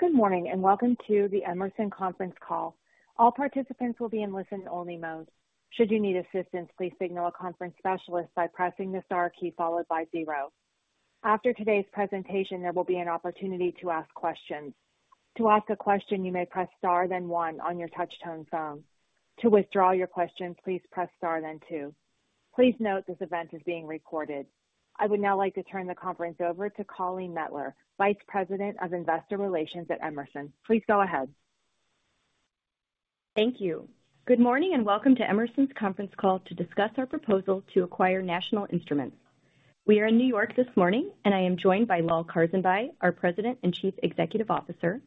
Good morning, welcome to the Emerson conference call. All participants will be in listen only mode. Should you need assistance, please signal a conference specialist by pressing the Star key followed by 0. After today's presentation, there will be an opportunity to ask questions. To ask a question, you may press Star then one on your touch-tone phone. To withdraw your question, please press Star then two. Please note this event is being recorded. I would now like to turn the conference over to Colleen Mettler, Vice President of Investor Relations at Emerson. Please go ahead. Thank you. Good morning, and welcome to Emerson's conference call to discuss our proposal to acquire National Instruments. We are in New York this morning, and I am joined by Lal Karsanbhai, our President and Chief Executive Officer,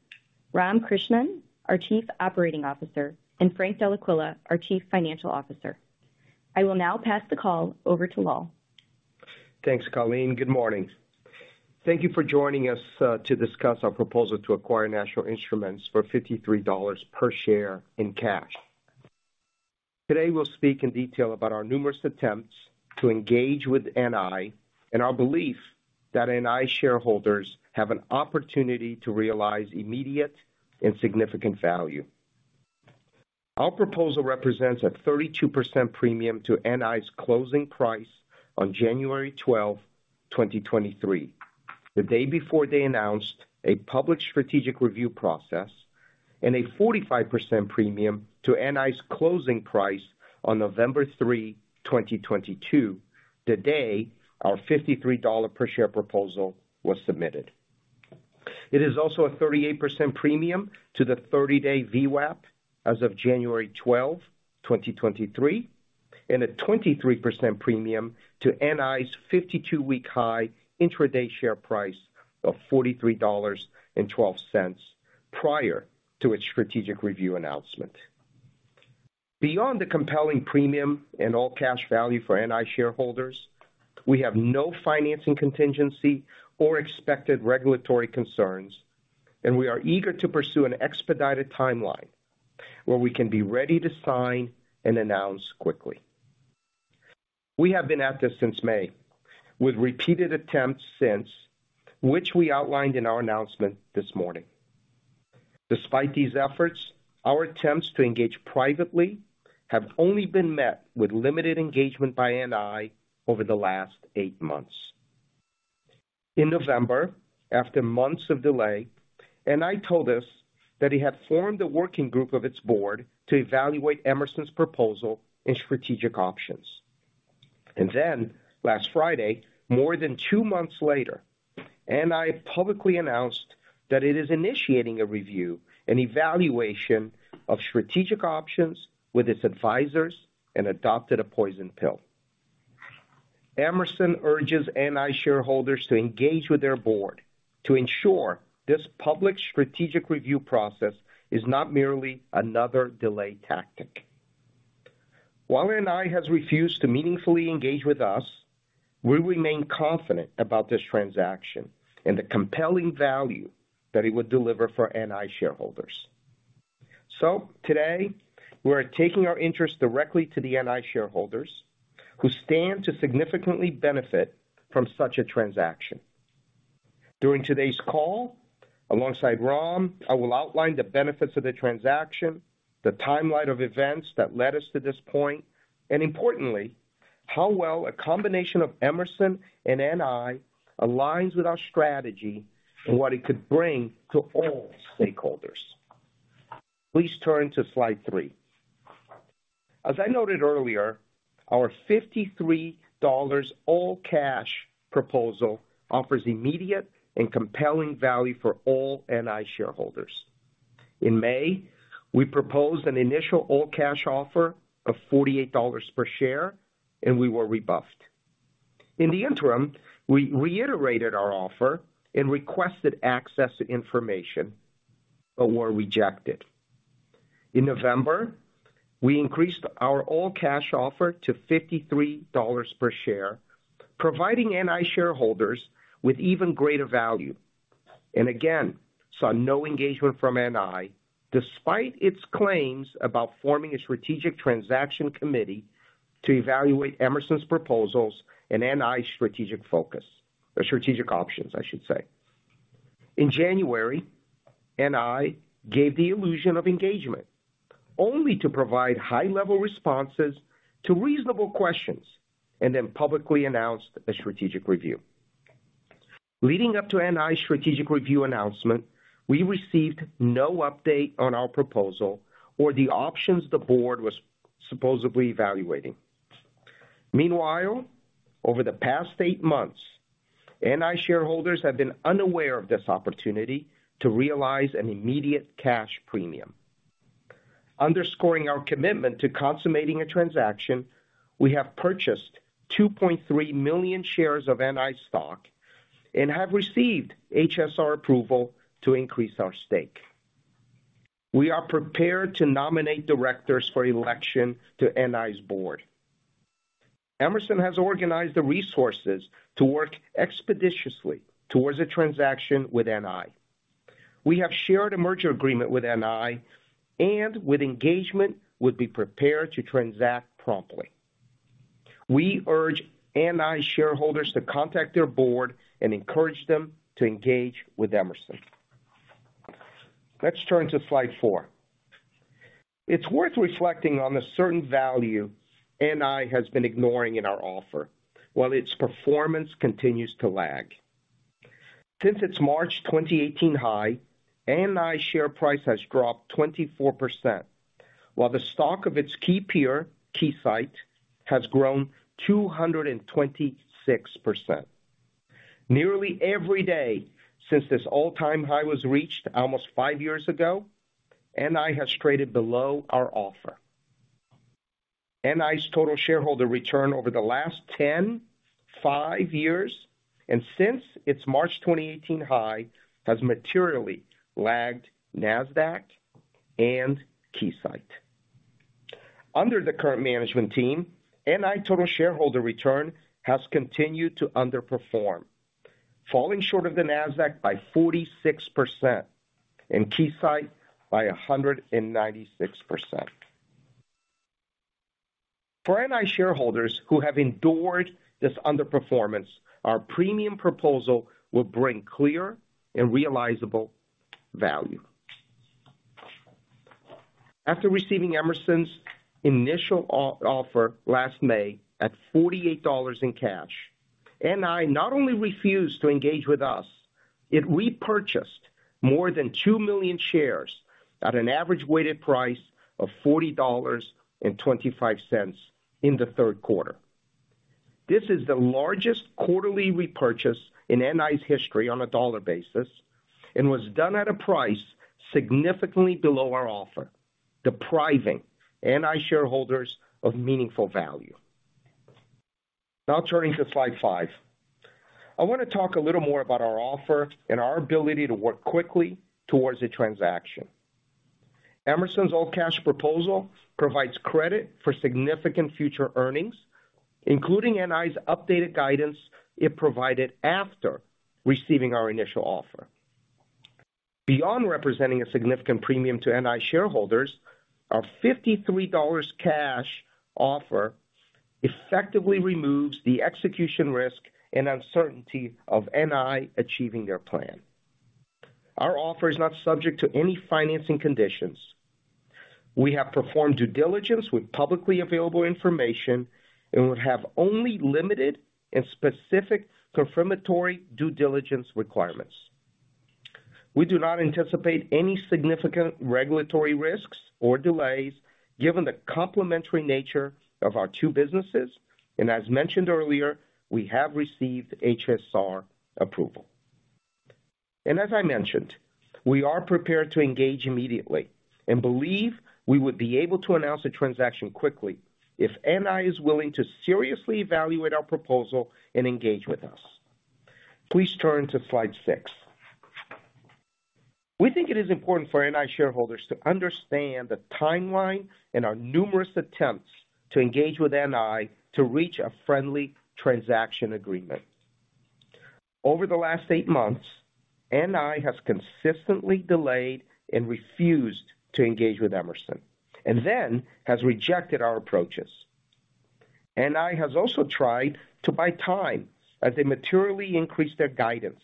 Ram Krishnan, our Chief Operating Officer, and Frank Dellaquila, our Chief Financial Officer. I will now pass the call over to Lal. Thanks, Colleen. Good morning. Thank you for joining us to discuss our proposal to acquire National Instruments for $53 per share in cash. Today, we'll speak in detail about our numerous attempts to engage with NI and our belief that NI shareholders have an opportunity to realize immediate and significant value. Our proposal represents a 32% premium to NI's closing price on January 12, 2023, the day before they announced a public strategic review process, and a 45% premium to NI's closing price on November 3, 2022, the day our $53 per share proposal was submitted. It is also a 38% premium to the 30-day VWAP as of January 12, 2023, and a 23% premium to NI's 52-week high intraday share price of $43.12 prior to its strategic review announcement. Beyond the compelling premium and all-cash value for NI shareholders, we have no financing contingency or expected regulatory concerns. We are eager to pursue an expedited timeline where we can be ready to sign and announce quickly. We have been at this since May, with repeated attempts since, which we outlined in our announcement this morning. Despite these efforts, our attempts to engage privately have only been met with limited engagement by NI over the last eight months. In November, after months of delay, NI told us that it had formed a working group of its board to evaluate Emerson's proposal and strategic options. Last Friday, more than two months later, NI publicly announced that it is initiating a review and evaluation of strategic options with its advisors and adopted a poison pill. Emerson urges NI shareholders to engage with their board to ensure this public strategic review process is not merely another delay tactic. While NI has refused to meaningfully engage with us, we remain confident about this transaction and the compelling value that it would deliver for NI shareholders. Today, we are taking our interest directly to the NI shareholders, who stand to significantly benefit from such a transaction. During today's call, alongside Ram, I will outline the benefits of the transaction, the timeline of events that led us to this point, and importantly, how well a combination of Emerson and NI aligns with our strategy and what it could bring to all stakeholders. Please turn to slide three. As I noted earlier, our $53 all cash proposal offers immediate and compelling value for all NI shareholders. In May, we proposed an initial all-cash offer of $48 per share, and we were rebuffed. In the interim, we reiterated our offer and requested access to information, but were rejected. In November, we increased our all-cash offer to $53 per share, providing NI shareholders with even greater value, and again saw no engagement from NI, despite its claims about forming a strategic transaction committee to evaluate Emerson's proposals and NI's strategic focus. The strategic options, I should say. In January, NI gave the illusion of engagement, only to provide high-level responses to reasonable questions, and then publicly announced a strategic review. Leading up to NI's strategic review announcement, we received no update on our proposal or the options the board was supposedly evaluating. Meanwhile, over the past eight months, NI shareholders have been unaware of this opportunity to realize an immediate cash premium. Underscoring our commitment to consummating a transaction, we have purchased 2.3 million shares of NI stock and have received HSR approval to increase our stake. We are prepared to nominate directors for election to NI's board. Emerson has organized the resources to work expeditiously towards a transaction with NI. We have shared a merger agreement with NI and with engagement, would be prepared to transact promptly. We urge NI shareholders to contact their board and encourage them to engage with Emerson. Let's turn to slide four. It's worth reflecting on the certain value NI has been ignoring in our offer, while its performance continues to lag. Since its March 2018 high, NI's share price has dropped 24%, while the stock of its key peer, Keysight, has grown 226%. Nearly every day since this all-time high was reached almost 5 years ago, NI has traded below our offer. NI's total shareholder return over the last 10, 5 years, and since its March 2018 high has materially lagged Nasdaq and Keysight. Under the current management team, NI total shareholder return has continued to underperform, falling short of the Nasdaq by 46% and Keysight by 196%. For NI shareholders who have endured this underperformance, our premium proposal will bring clear and realizable value. After receiving Emerson's initial offer last May at $48 in cash, NI not only refused to engage with us, it repurchased more than 2 million shares at an average weighted price of $40.25 in the third quarter. This is the largest quarterly repurchase in NI's history on a dollar basis and was done at a price significantly below our offer, depriving NI shareholders of meaningful value. Turning to slide five. I want to talk a little more about our offer and our ability to work quickly towards a transaction. Emerson's all-cash proposal provides credit for significant future earnings, including NI's updated guidance it provided after receiving our initial offer. Beyond representing a significant premium to NI shareholders, our $53 cash offer effectively removes the execution risk and uncertainty of NI achieving their plan. Our offer is not subject to any financing conditions. We have performed due diligence with publicly available information and would have only limited and specific confirmatory due diligence requirements. We do not anticipate any significant regulatory risks or delays given the complementary nature of our two businesses. As mentioned earlier, we have received HSR approval. As I mentioned, we are prepared to engage immediately and believe we would be able to announce a transaction quickly if NI is willing to seriously evaluate our proposal and engage with us. Please turn to slide six. We think it is important for NI shareholders to understand the timeline and our numerous attempts to engage with NI to reach a friendly transaction agreement. Over the last eight months, NI has consistently delayed and refused to engage with Emerson. Then has rejected our approaches. NI has also tried to buy time as they materially increase their guidance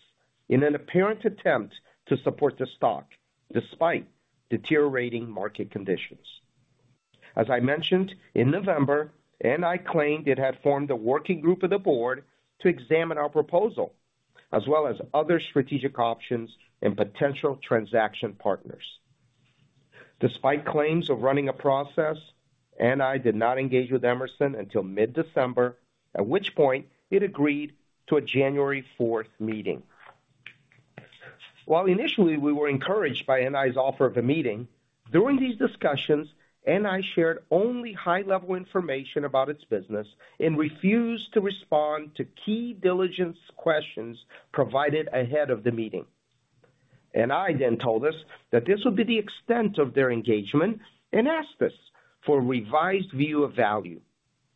in an apparent attempt to support the stock despite deteriorating market conditions. As I mentioned, in November, NI claimed it had formed a working group of the board to examine our proposal, as well as other strategic options and potential transaction partners. Despite claims of running a process, NI did not engage with Emerson until mid-December, at which point it agreed to a January fourth meeting. While initially we were encouraged by NI's offer of a meeting, during these discussions, NI shared only high-level information about its business and refused to respond to key diligence questions provided ahead of the meeting. NI told us that this would be the extent of their engagement and asked us for a revised view of value,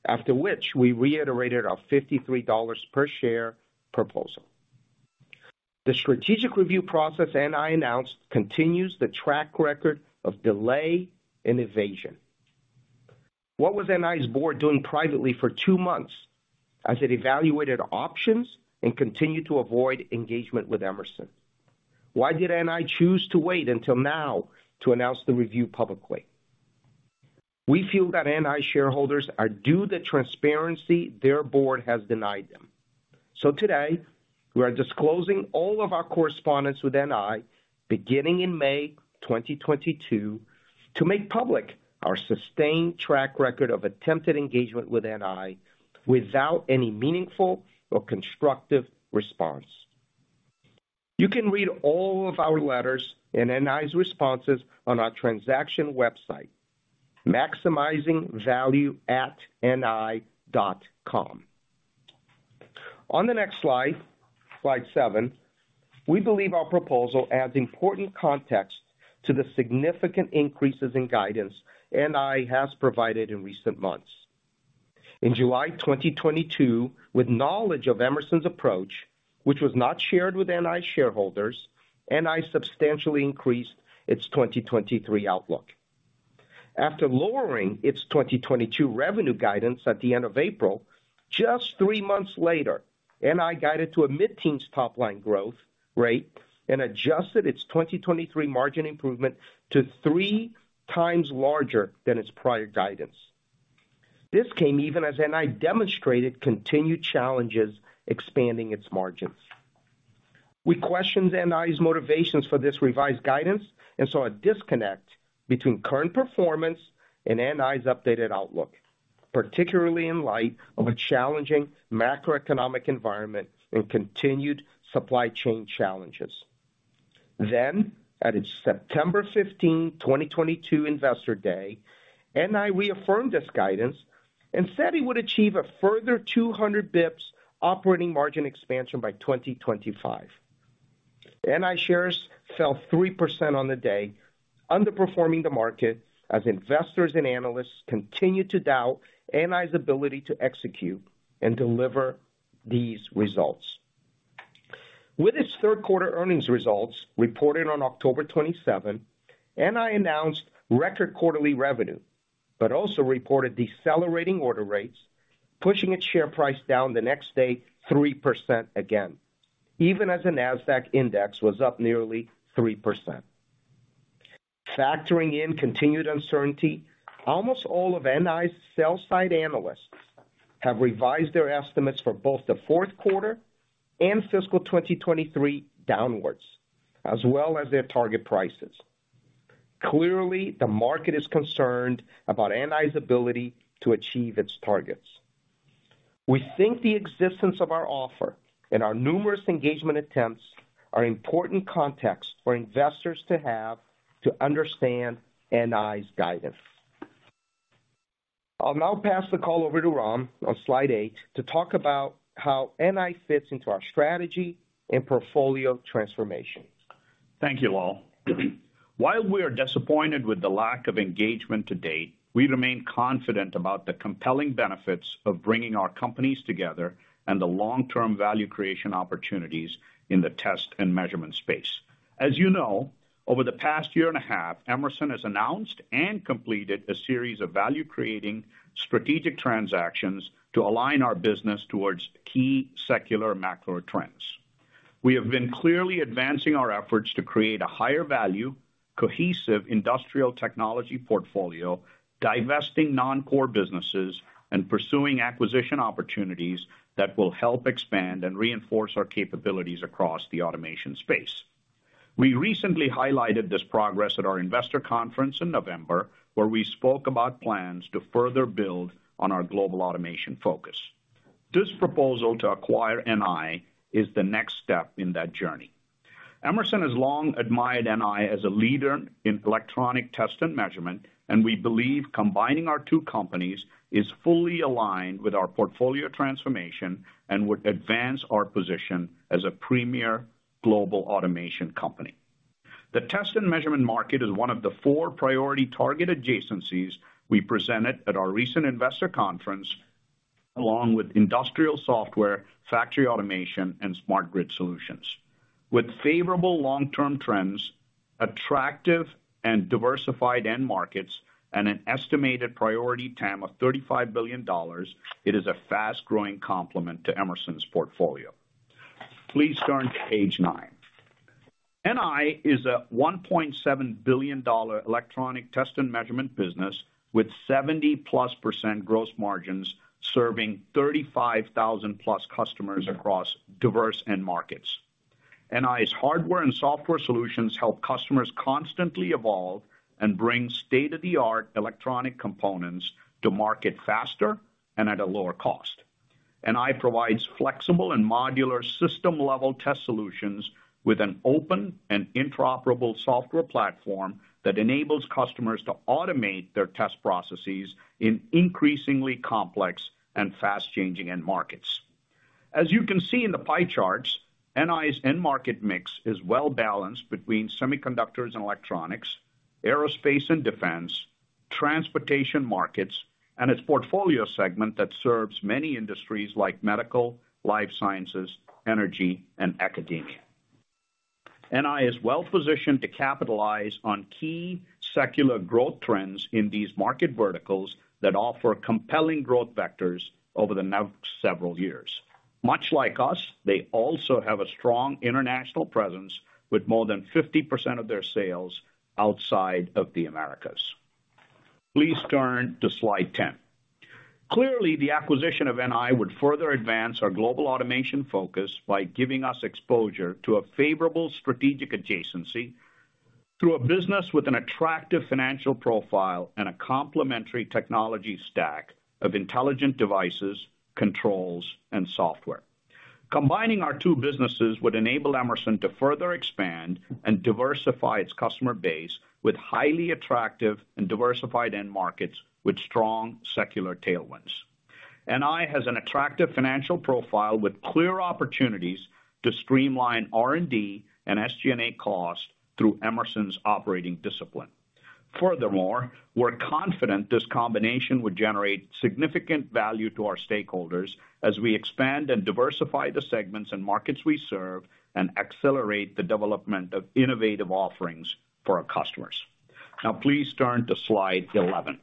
after which we reiterated our $53 per share proposal. The strategic review process NI announced continues the track record of delay and evasion. What was NI's board doing privately for two months as it evaluated options and continued to avoid engagement with Emerson? Why did NI choose to wait until now to announce the review publicly? We feel that NI shareholders are due the transparency their board has denied them. Today, we are disclosing all of our correspondence with NI beginning in May 2022 to make public our sustained track record of attempted engagement with NI without any meaningful or constructive response. You can read all of our letters and NI's responses on our transaction website, maximizingvalueatni.com. On the next slide seven, we believe our proposal adds important context to the significant increases in guidance NI has provided in recent months. In July 2022, with knowledge of Emerson's approach, which was not shared with NI shareholders. NI substantially increased its 2023 outlook. After lowering its 2022 revenue guidance at the end of April, just three months later, NI guided to a mid-teens top line growth rate and adjusted its 2023 margin improvement to three times larger than its prior guidance. This came even as NI demonstrated continued challenges expanding its margins. We questioned NI's motivations for this revised guidance and saw a disconnect between current performance and NI's updated outlook, particularly in light of a challenging macroeconomic environment and continued supply chain challenges. At its September 15, 2022 investor day, NI reaffirmed this guidance and said it would achieve a further 200 bps operating margin expansion by 2025. NI shares fell 3% on the day, underperforming the market as investors and analysts continued to doubt NI's ability to execute and deliver these results. With its third quarter earnings results reported on October 27, NI announced record quarterly revenue, but also reported decelerating order rates, pushing its share price down the next day 3% again, even as the Nasdaq index was up nearly 3%. Factoring in continued uncertainty, almost all of NI's sell side analysts have revised their estimates for both the fourth quarter and fiscal 2023 downwards, as well as their target prices. Clearly, the market is concerned about NI's ability to achieve its targets. We think the existence of our offer and our numerous engagement attempts are important context for investors to have to understand NI's guidance. I'll now pass the call over to Ram, on slide eight, to talk about how NI fits into our strategy and portfolio transformation. Thank you, Lal. While we are disappointed with the lack of engagement to date, we remain confident about the compelling benefits of bringing our companies together and the long-term value creation opportunities in the test and measurement space. As you know, over the past year and a half, Emerson has announced and completed a series of value-creating strategic transactions to align our business towards key secular macro trends. We have been clearly advancing our efforts to create a higher value, cohesive industrial technology portfolio, divesting non-core businesses, and pursuing acquisition opportunities that will help expand and reinforce our capabilities across the automation space. We recently highlighted this progress at our investor conference in November, where we spoke about plans to further build on our global automation focus. This proposal to acquire NI is the next step in that journey. Emerson has long admired NI as a leader in electronic test and measurement. We believe combining our two companies is fully aligned with our portfolio transformation and would advance our position as a premier global automation company. The test and measurement market is one of the four priority target adjacencies we presented at our recent investor conference, along with industrial software, factory automation, and smart grid solutions. With favorable long-term trends, attractive and diversified end markets, and an estimated priority TAM of $35 billion, it is a fast-growing complement to Emerson's portfolio. Please turn to page 9. NI is a $1.7 billion electronic test and measurement business with 70%+ gross margins, serving 35,000+ customers across diverse end markets. NI's hardware and software solutions help customers constantly evolve and bring state-of-the-art electronic components to market faster and at a lower cost. NI provides flexible and modular system-level test solutions with an open and interoperable software platform that enables customers to automate their test processes in increasingly complex and fast-changing end markets. As you can see in the pie charts, NI's end market mix is well-balanced between semiconductors and electronics, aerospace and defense, transportation markets, and its portfolio segment that serves many industries like medical, life sciences, energy, and academic. NI is well-positioned to capitalize on key secular growth trends in these market verticals that offer compelling growth vectors over the next several years. Much like us, they also have a strong international presence with more than 50% of their sales outside of the Americas. Please turn to slide ten. Clearly, the acquisition of NI would further advance our global automation focus by giving us exposure to a favorable strategic adjacency through a business with an attractive financial profile and a complementary technology stack of intelligent devices, controls, and software. Combining our two businesses would enable Emerson to further expand and diversify its customer base with highly attractive and diversified end markets with strong secular tailwinds. NI has an attractive financial profile with clear opportunities to streamline R&D and SG&A costs through Emerson's operating discipline. We're confident this combination would generate significant value to our stakeholders as we expand and diversify the segments and markets we serve and accelerate the development of innovative offerings for our customers. Now please turn to slide 11.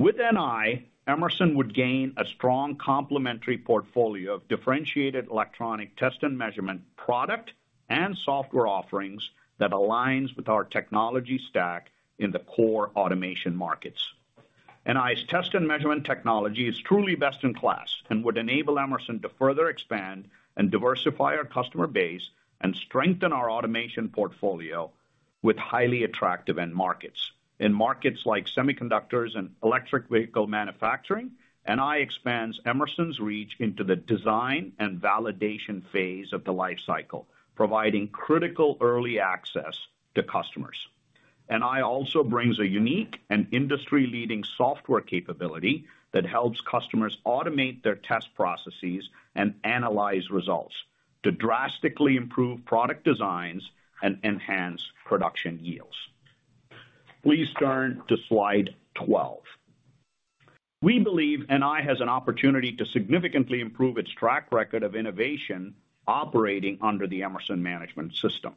With NI, Emerson would gain a strong complementary portfolio of differentiated electronic test and measurement product and software offerings that aligns with our technology stack in the core automation markets. NI's test and measurement technology is truly best in class and would enable Emerson to further expand and diversify our customer base and strengthen our automation portfolio with highly attractive end markets. In markets like semiconductors and electric vehicle manufacturing, NI expands Emerson's reach into the design and validation phase of the life cycle, providing critical early access to customers. NI also brings a unique and industry-leading software capability that helps customers automate their test processes and analyze results to drastically improve product designs and enhance production yields. Please turn to slide 12. We believe NI has an opportunity to significantly improve its track record of innovation operating under the Emerson management system.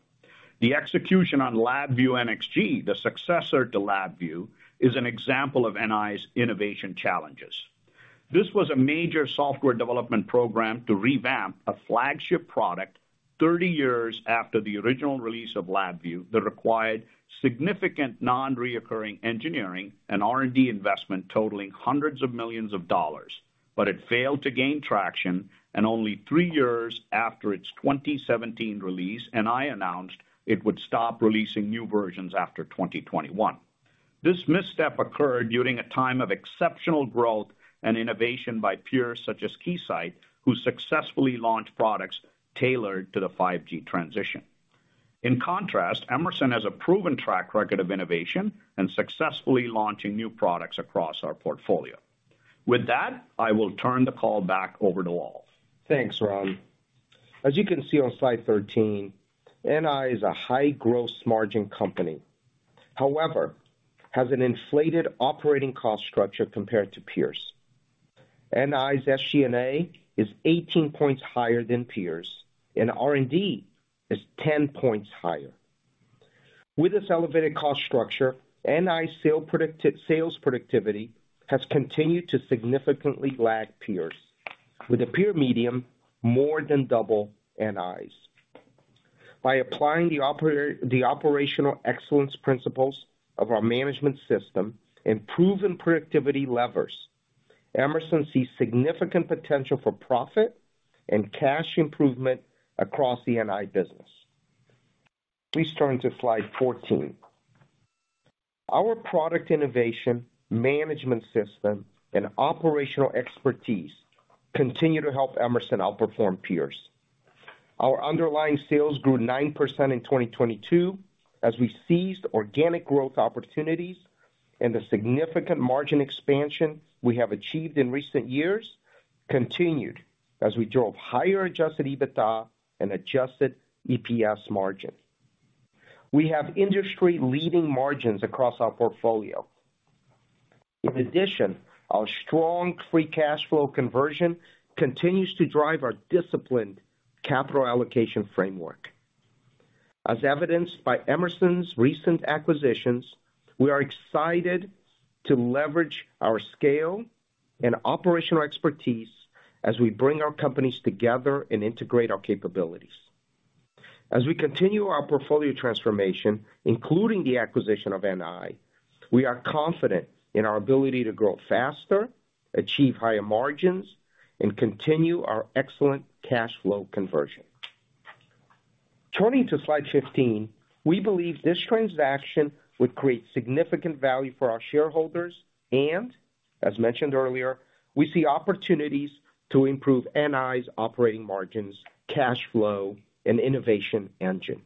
The execution on LabVIEW NXG, the successor to LabVIEW, is an example of NI's innovation challenges. This was a major software development program to revamp a flagship product 30 years after the original release of LabVIEW that required significant non-reoccurring engineering and R&D investment totaling $hundreds of millions. It failed to gain traction, and only 3 years after its 2017 release, NI announced it would stop releasing new versions after 2021. This misstep occurred during a time of exceptional growth and innovation by peers such as Keysight, who successfully launched products tailored to the 5G transition. In contrast, Emerson has a proven track record of innovation and successfully launching new products across our portfolio. With that, I will turn the call back over to Lal. Thanks, Ram. As you can see on slide 13, NI is a high gross margin company, however, has an inflated operating cost structure compared to peers. NI's SG&A is 18 points higher than peers, and R&D is 10 points higher. With this elevated cost structure, NI sales productivity has continued to significantly lag peers with a peer medium more than double NI's. By applying the operational excellence principles of our management system and proven productivity levers, Emerson sees significant potential for profit and cash improvement across the NI business. Please turn to slide 14. Our product innovation management system and operational expertise continue to help Emerson outperform peers. Our underlying sales grew 9% in 2022 as we seized organic growth opportunities and the significant margin expansion we have achieved in recent years continued as we drove higher adjusted EBITDA and adjusted EPS margin. We have industry-leading margins across our portfolio. In addition, our strong free cash flow conversion continues to drive our disciplined capital allocation framework. As evidenced by Emerson's recent acquisitions, we are excited to leverage our scale and operational expertise as we bring our companies together and integrate our capabilities. As we continue our portfolio transformation, including the acquisition of NI, we are confident in our ability to grow faster, achieve higher margins, and continue our excellent cash flow conversion. Turning to slide 15, we believe this transaction would create significant value for our shareholders, and as mentioned earlier, we see opportunities to improve NI's operating margins, cash flow, and innovation engine.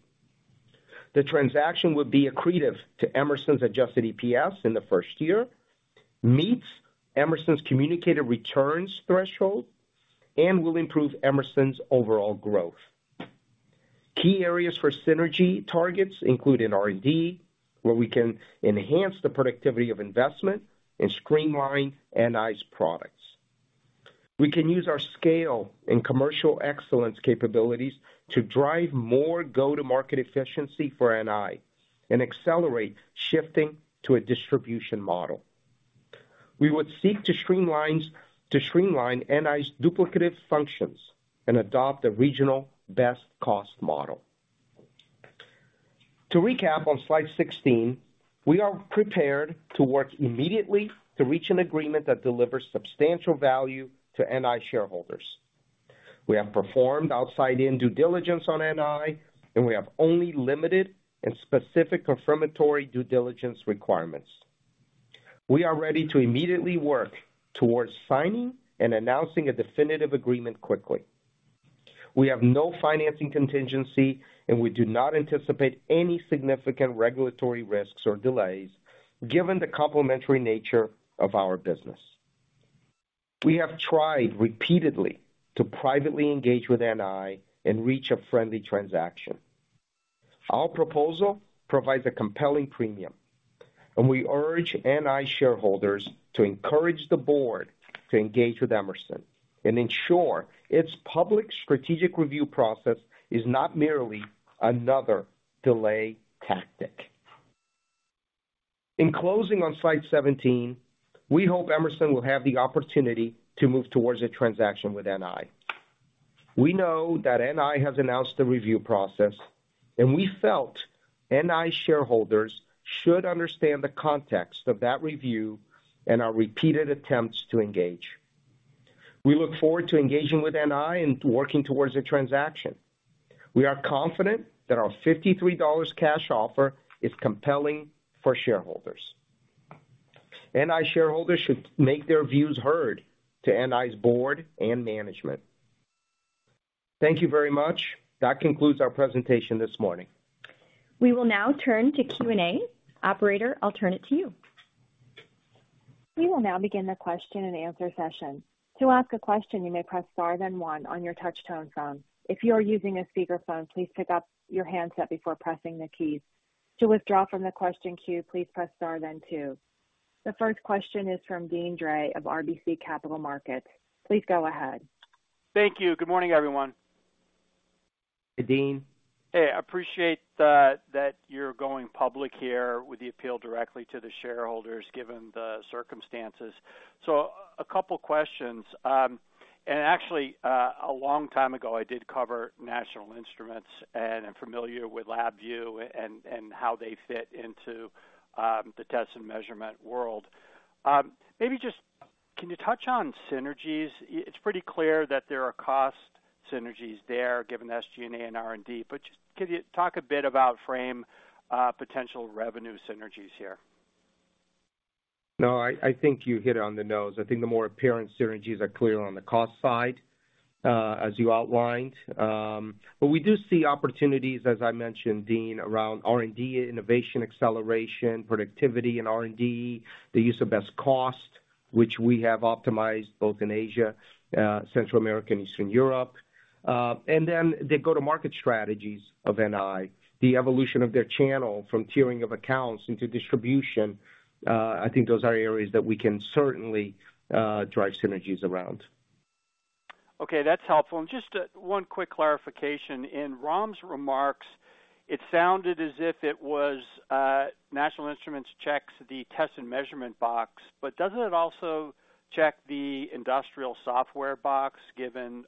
The transaction would be accretive to Emerson's adjusted EPS in the first year, meets Emerson's communicated returns threshold, and will improve Emerson's overall growth. Key areas for synergy targets include in R&D, where we can enhance the productivity of investment and streamline NI's products. We can use our scale and commercial excellence capabilities to drive more go-to-market efficiency for NI and accelerate shifting to a distribution model. We would seek to streamline NI's duplicative functions and adopt a regional best-cost model. To recap on slide 16, we are prepared to work immediately to reach an agreement that delivers substantial value to NI shareholders. We have performed outside-in due diligence on NI, and we have only limited and specific confirmatory due diligence requirements. We are ready to immediately work towards signing and announcing a definitive agreement quickly. We have no financing contingency, and we do not anticipate any significant regulatory risks or delays given the complementary nature of our business. We have tried repeatedly to privately engage with NI and reach a friendly transaction. Our proposal provides a compelling premium. We urge NI shareholders to encourage the board to engage with Emerson and ensure its public strategic review process is not merely another delay tactic. In closing on slide 17, we hope Emerson will have the opportunity to move towards a transaction with NI. We know that NI has announced the review process. We felt NI shareholders should understand the context of that review and our repeated attempts to engage. We look forward to engaging with NI and working towards a transaction. We are confident that our $53 cash offer is compelling for shareholders. NI shareholders should make their views heard to NI's board and management. Thank you very much. That concludes our presentation this morning. We will now turn to Q&A. Operator, I'll turn it to you. We will now begin the question-and-answer session. To ask a question, you may press Star-Then-One on your touchtone phone. If you are using a speakerphone, please pick up your handset before pressing the keys. To withdraw from the question queue, please press Star-Then-Two. The first question is from Deane Dray of RBC Capital Markets. Please go ahead. Thank you. Good morning, everyone. Hey, Deane. Hey, I appreciate that you're going public here with the appeal directly to the shareholders, given the circumstances. A couple questions. Actually, a long time ago, I did cover National Instruments, and I'm familiar with LabVIEW and how they fit into the test and measurement world. Maybe just can you touch on synergies? It's pretty clear that there are cost synergies there, given SG&A and R&D, but just could you talk a bit about frame, potential revenue synergies here? I think you hit it on the nose. I think the more apparent synergies are clear on the cost side, as you outlined. We do see opportunities, as I mentioned, Deane, around R&D, innovation, acceleration, productivity in R&D, the use of best cost, which we have optimized both in Asia, Central America and Eastern Europe. The go-to-market strategies of NI, the evolution of their channel from tiering of accounts into distribution, I think those are areas that we can certainly drive synergies around. Okay, that's helpful. Just one quick clarification. In Ram's remarks, it sounded as if it was National Instruments checks the test and measurement box. Doesn't it also check the industrial software box, given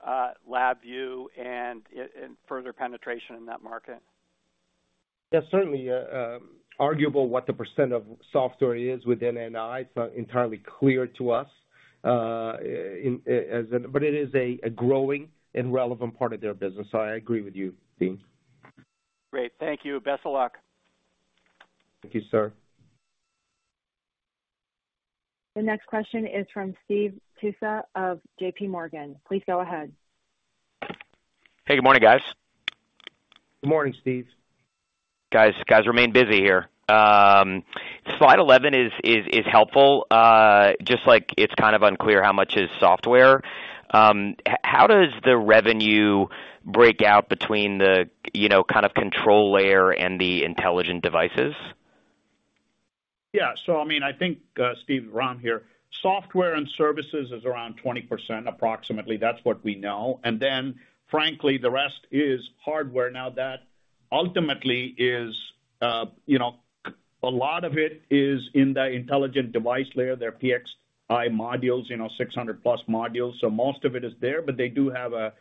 LabVIEW and further penetration in that market? That's certainly arguable what the % of software is within NI. It's not entirely clear to us. It is a growing and relevant part of their business. I agree with you, Deane. Great. Thank you. Best of luck. Thank you, sir. The next question is from Stephen Tusa of J.P. Morgan. Please go ahead. Hey, good morning, guys. Good morning, Steve. Guys, remain busy here. Slide 11 is helpful. Just like it's kind of unclear how much is software. How does the revenue break out between the, you know, kind of control layer and the intelligent devices? Yeah. I mean, I think, Steve, Ram here. Software and services is around 20%, approximately. That's what we know. Frankly, the rest is hardware. Now that ultimately is, you know, a lot of it is in the intelligent device layer, their PXI modules, you know, 600 plus modules. Most of it is there, but they do have a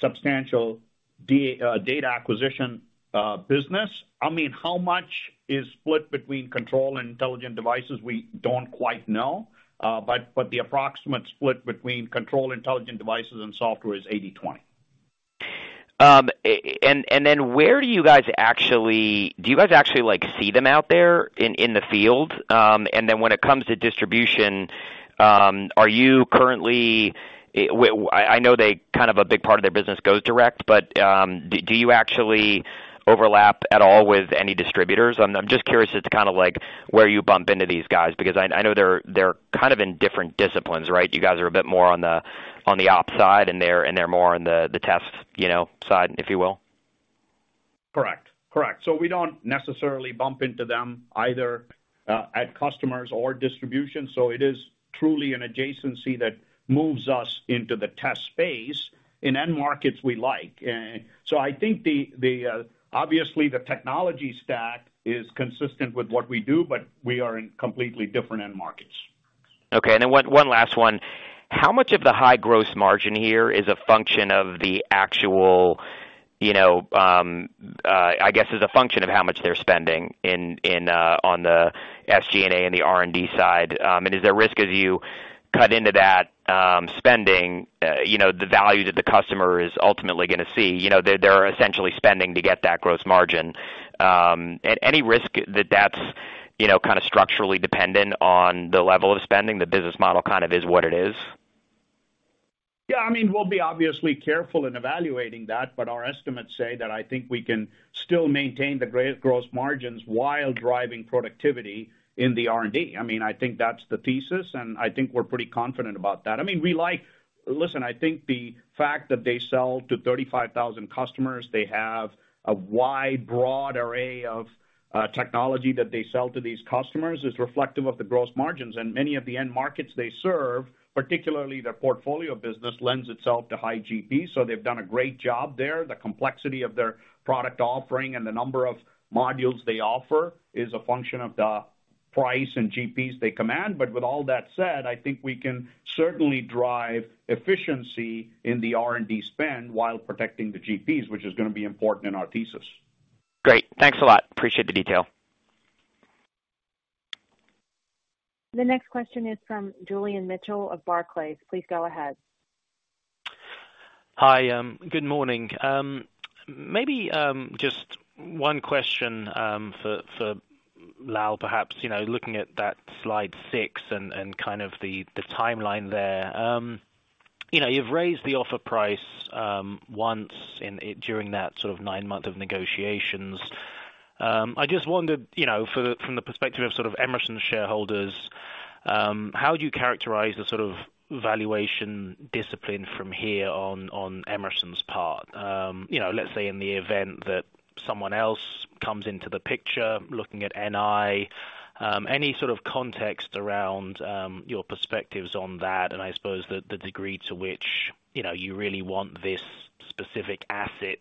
substantial data acquisition business. I mean, how much is split between control and intelligent devices, we don't quite know. But the approximate split between control, intelligent devices and software is 80-20. Where do you guys actually, like, see them out there in the field? When it comes to distribution, I know they kind of a big part of their business goes direct, but do you actually overlap at all with any distributors? I'm just curious as to kind of like, where you bump into these guys, because I know they're kind of in different disciplines, right? You guys are a bit more on the op side, and they're more on the test, you know, side, if you will. Correct. Correct. We don't necessarily bump into them either, at customers or distribution. It is truly an adjacency that moves us into the test space in end markets we like. I think the obviously the technology stack is consistent with what we do, but we are in completely different end markets. Okay. One last one. How much of the high gross margin here is a function of the actual, you know, I guess as a function of how much they're spending on the SG&A and the R&D side? Is there risk as you cut into that spending, you know, the value that the customer is ultimately gonna see? You know, they're essentially spending to get that gross margin. At any risk that that's, you know, kind of structurally dependent on the level of spending, the business model kind of is what it is? Yeah, I mean, we'll be obviously careful in evaluating that, but our estimates say that I think we can still maintain the great gross margins while driving productivity in the R&D. I mean, I think that's the thesis, and I think we're pretty confident about that. I mean, Listen, I think the fact that they sell to 35,000 customers, they have a wide, broad array of technology that they sell to these customers is reflective of the gross margins. Many of the end markets they serve, particularly their portfolio business, lends itself to high GPs. They've done a great job there. The complexity of their product offering and the number of modules they offer is a function of the price and GPs they command. With all that said, I think we can certainly drive efficiency in the R&D spend while protecting the GPs, which is gonna be important in our thesis. Great. Thanks a lot. Appreciate the detail. The next question is from Julian Mitchell of Barclays. Please go ahead. Hi, good morning. Maybe, just one question, for Lal, perhaps. You know, looking at that slide 6 and kind of the timeline there. You know, you've raised the offer price, once in, during that sort of nine months of negotiations. I just wondered, you know, from the perspective of sort of Emerson shareholders, how do you characterize the sort of valuation discipline from here on Emerson's part? You know, let's say in the event that someone else comes into the picture looking at NI, any sort of context around, your perspectives on that, and I suppose the degree to which, you know, you really want this specific asset,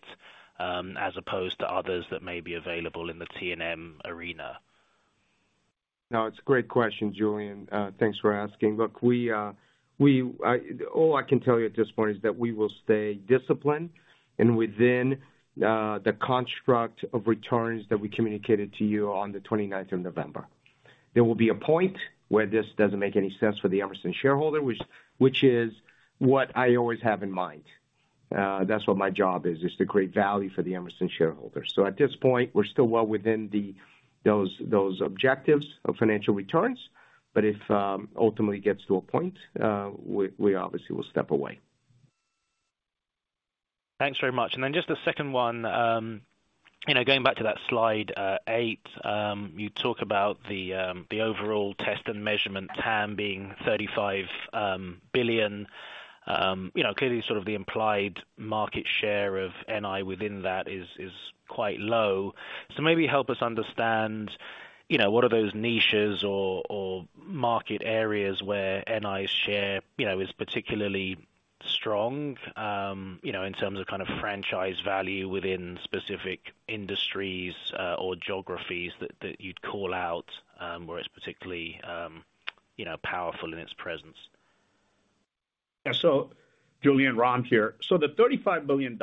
as opposed to others that may be available in the T&M arena. No, it's a great question, Julian. Thanks for asking. Look, LaI can tell you at this point is that we will stay disciplined and within the construct of returns that we communicated to you on the 29th of November. There will be a point where this doesn't make any sense for the Emerson shareholder, which is what I always have in mind. That's what my job is to create value for the Emerson shareholder. At this point, we're still well within those objectives of financial returns, but if ultimately gets to a point, we obviously will step away. Thanks very much. Just a second one. You know, going back to that slide 8, you talk about the overall test and measurement TAM being $35 billion. You know, clearly sort of the implied market share of NI within that is quite low. Maybe help us understand, you know, what are those niches or market areas where NI's share, you know, is particularly strong in terms of kind of franchise value within specific industries or geographies that you'd call out where it's particularly powerful in its presence? Julian, Ram here. The $35 billion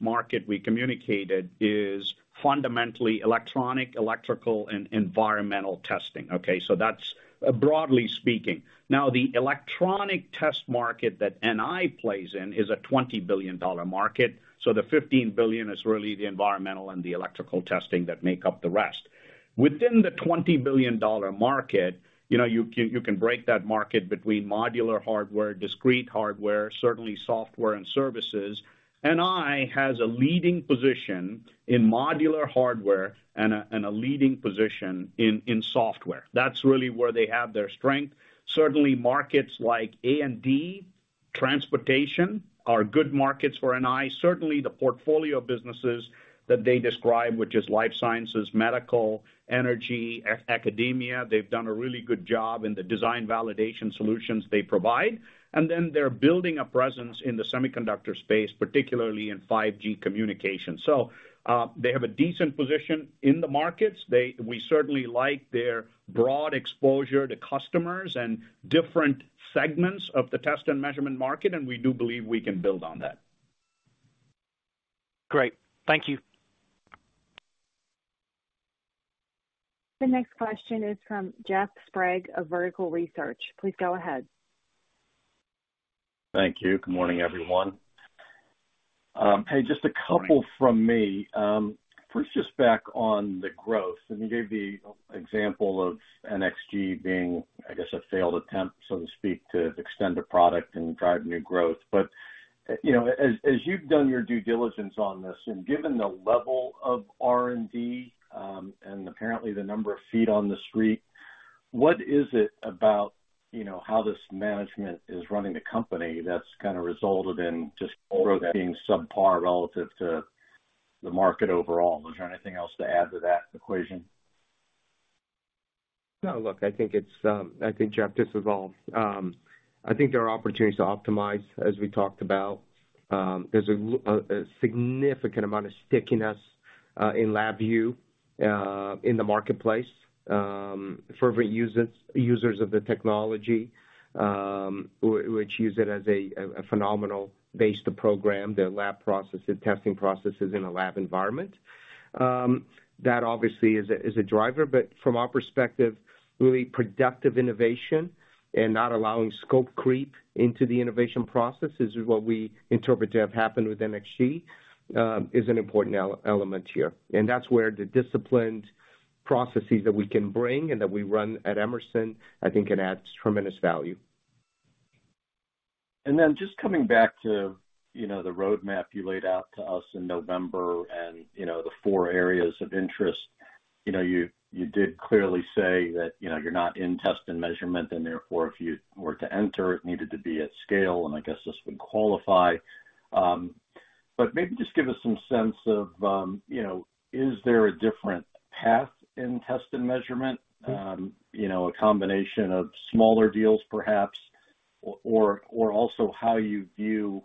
market we communicated is fundamentally electronic, electrical, and environmental testing, okay. That's broadly speaking. The electronic test market that NI plays in is a $20 billion market. The $15 billion is really the environmental and the electrical testing that make up the rest. Within the $20 billion market, you know, you can break that market between modular hardware, discrete hardware, certainly software and services. NI has a leading position in modular hardware and a leading position in software. That's really where they have their strength. Certainly markets like A&D, transportation are good markets for NI. Certainly the portfolio businesses that they describe, which is life sciences, medical, energy, academia. They've done a really good job in the design validation solutions they provide. They're building a presence in the semiconductor space, particularly in 5G communication. They have a decent position in the markets. We certainly like their broad exposure to customers and different segments of the test and measurement market, and we do believe we can build on that. Great. Thank you. The next question is from Jeff Sprague of Vertical Research. Please go ahead. Thank you. Good morning, everyone. Hey, just a couple from me. First, just back on the growth, and you gave the example of NXG being, I guess, a failed attempt, so to speak, to extend a product and drive new growth. You know, as you've done your due diligence on this and given the level of R&D, and apparently the number of feet on the street, what is it about, you know, how this management is running the company that's kinda resulted in just growth being subpar relative to the market overall? Is there anything else to add to that equation? No, look, I think it's, I think, Jeff, this is all. I think there are opportunities to optimize, as we talked about. There's a significant amount of stickiness in LabVIEW in the marketplace for users of the technology, which use it as a phenomenal base to program their lab processes, testing processes in a lab environment. That obviously is a driver. From our perspective, really productive innovation and not allowing scope creep into the innovation processes is what we interpret to have happened with NXG, is an important element here. That's where the disciplined processes that we can bring and that we run at Emerson, I think it adds tremendous value. Just coming back to, you know, the roadmap you laid out to us in November and, you know, the four areas of interest. You know, you did clearly say that, you know, you're not in test and measurement, and therefore, if you were to enter, it needed to be at scale, and I guess this would qualify. But maybe just give us some sense of, you know, is there a different path in test and measurement? You know, a combination of smaller deals perhaps, or also how you view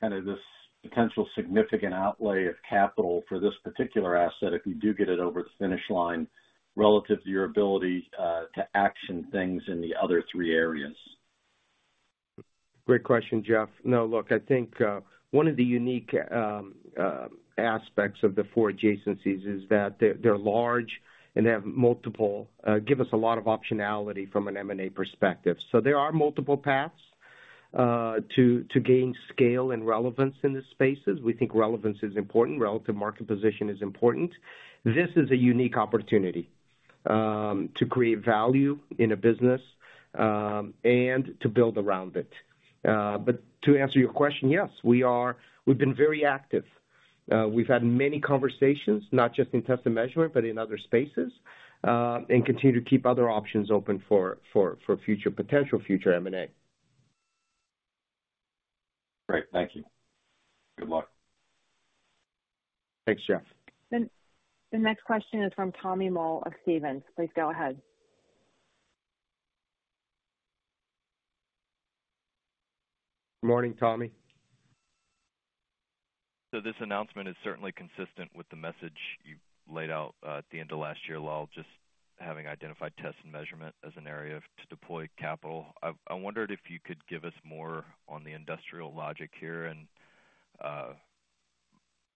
kind of this potential significant outlay of capital for this particular asset if you do get it over the finish line relative to your ability to action things in the other three areas? Great question, Jeff. No, look, I think, one of the unique aspects of the four adjacencies is that they're large and they have multiple give us a lot of optionality from an M&A perspective. There are multiple paths to gain scale and relevance in these spaces. We think relevance is important, relative market position is important. This is a unique opportunity to create value in a business and to build around it. To answer your question, yes, we are. We've been very active. We've had many conversations, not just in test and measurement, but in other spaces, and continue to keep other options open for future potential future M&A. Great. Thank you. Good luck. Thanks, Jeff. The next question is from Tommy Moll of Stephens. Please go ahead. Morning, Tommy. This announcement is certainly consistent with the message you laid out at the end of last year, Lal, just having identified test and measurement as an area to deploy capital. I wondered if you could give us more on the industrial logic here.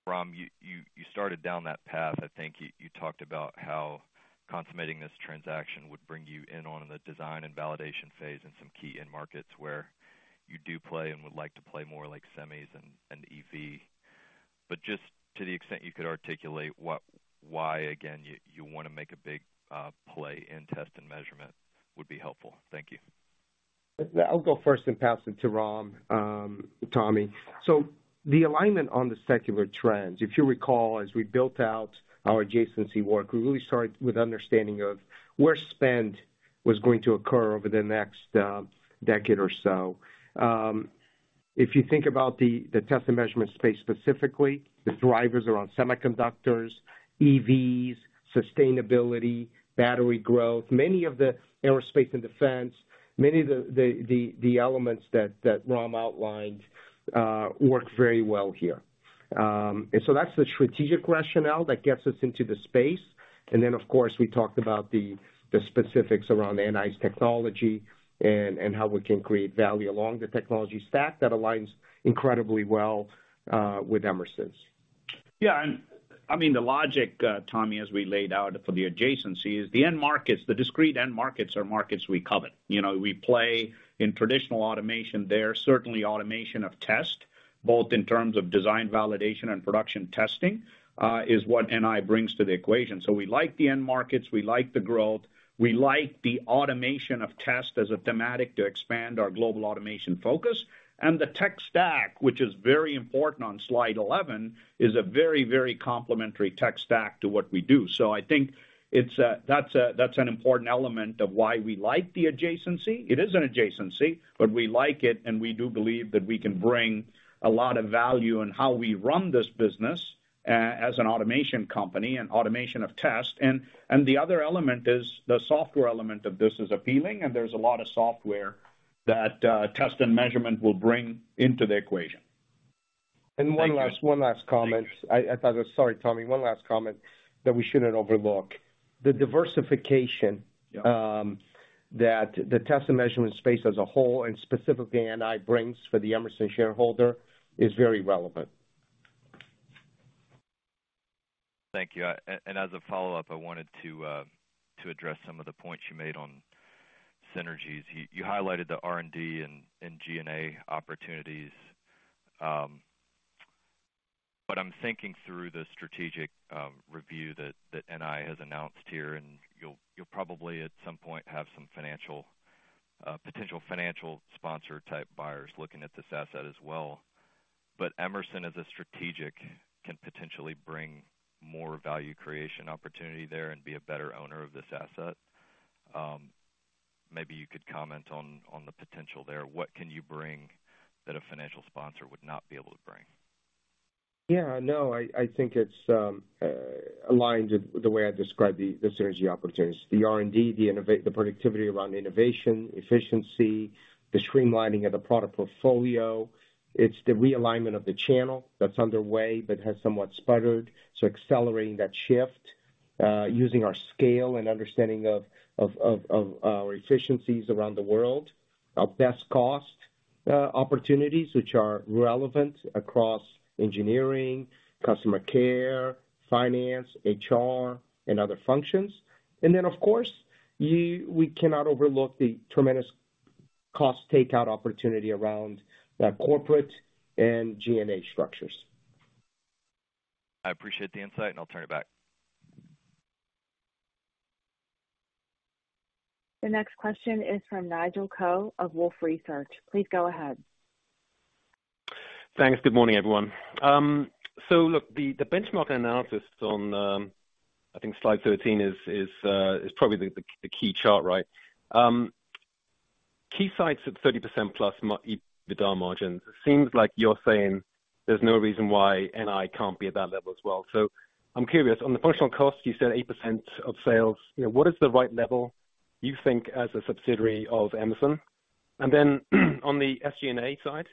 Ram, you started down that path. I think you talked about how consummating this transaction would bring you in on the design and validation phase in some key end markets where you do play and would like to play more, like semis and EV. Just to the extent you could articulate why, again, you wanna make a big play in test and measurement would be helpful. Thank you. I'll go first then pass it to Ram, Tommy. The alignment on the secular trends, if you recall, as we built out our adjacency work, we really started with understanding of where spend was going to occur over the next decade or so. If you think about the test and measurement space specifically, the drivers around semiconductors, EVs, sustainability, battery growth, many of the aerospace and defense, many of the elements that Ram outlined work very well here. That's the strategic rationale that gets us into the space. Then, of course, we talked about the specifics around NI's technology and how we can create value along the technology stack that aligns incredibly well with Emerson's. Yeah. I mean, the logic, Tommy, as we laid out for the adjacencies, the end markets, the discrete end markets are markets we covet. You know, we play in traditional automation there. Certainly automation of test, both in terms of design, validation and production testing, is what NI brings to the equation. We like the end markets, we like the growth, we like the automation of test as a thematic to expand our global automation focus. The tech stack, which is very important on slide 11, is a very, very complementary tech stack to what we do. I think that's an important element of why we like the adjacency. It is an adjacency, but we like it, and we do believe that we can bring a lot of value in how we run this business as an automation company and automation of test. The other element is the software element of this is appealing, and there's a lot of software that test and measurement will bring into the equation. One last comment. Sorry, Tommy. One last comment that we shouldn't overlook. The diversification- Yeah. That the test and measurement space as a whole and specifically NI brings for the Emerson shareholder is very relevant. Thank you. As a follow-up, I wanted to address some of the points you made on synergies. You highlighted the R&D and G&A opportunities. I'm thinking through the strategic review that NI has announced here, and you'll probably at some point have some financial potential financial sponsor type buyers looking at this asset as well. Emerson as a strategic can potentially bring more value creation opportunity there and be a better owner of this asset. Maybe you could comment on the potential there. What can you bring that a financial sponsor would not be able to bring? Yeah. No, I think it's aligned with the way I described the synergy opportunities. The R&D, the productivity around innovation, efficiency, the streamlining of the product portfolio. It's the realignment of the channel that's underway but has somewhat sputtered. Accelerating that shift, using our scale and understanding of our efficiencies around the world, our best cost opportunities which are relevant across engineering, customer care, finance, HR, and other functions. Of course, we cannot overlook the tremendous cost takeout opportunity around the corporate and G&A structures. I appreciate the insight, and I'll turn it back. The next question is from Nigel Coe of Wolfe Research. Please go ahead. Thanks. Good morning, everyone. Look, the benchmark analysis on, I think slide 13 is probably the key chart, right? Keysight's at 30% plus EBITDA margins. Seems like you're saying there's no reason why NI can't be at that level as well. I'm curious, on the functional cost, you said 8% of sales. You know, what is the right level you think as a subsidiary of Emerson? On the SG&A side,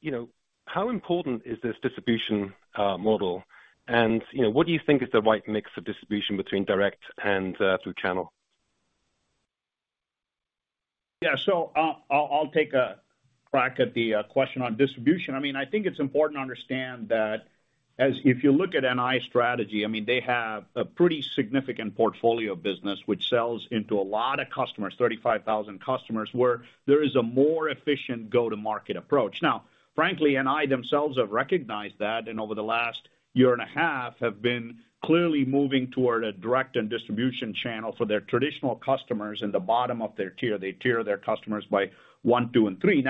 you know, how important is this distribution model? You know, what do you think is the right mix of distribution between direct and through channel? Yeah. I'll take a crack at the question on distribution. I mean, I think it's important to understand that as if you look at NI strategy, I mean, they have a pretty significant portfolio business which sells into a lot of customers, 35,000 customers, where there is a more efficient go-to-market approach. Frankly, NI themselves have recognized that, and over the last year and a half have been clearly moving toward a direct and distribution channel for their traditional customers in the bottom of their tier. They tier their customers by one, two, and three.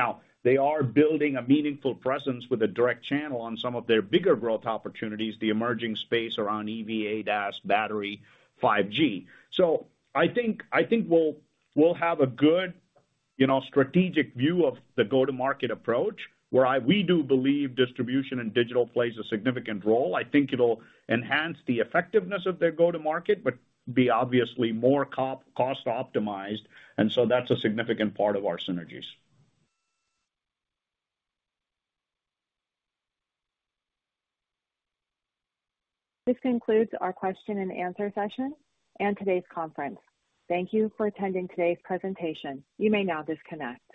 They are building a meaningful presence with a direct channel on some of their bigger growth opportunities, the emerging space around EVA, DAS, battery, 5G. I think we'll have a good, you know, strategic view of the go-to-market approach, where we do believe distribution and digital plays a significant role. I think it'll enhance the effectiveness of their go-to-market, but be obviously more cost optimized, and so that's a significant part of our synergies. This concludes our question-and-answer session and today's conference. Thank you for attending today's presentation. You may now disconnect.